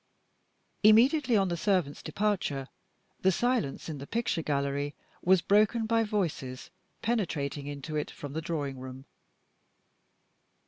Immediately on the servant's departure, the silence in the picture gallery was broken by voices penetrating into it from the drawing room.